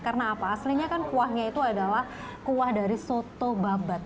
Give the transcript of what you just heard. karena apa aslinya kan kuahnya itu adalah kuah dari soto babat